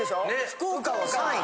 福岡は３位。